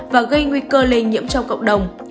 và gây nguy cơ lây nhiễm cho cộng đồng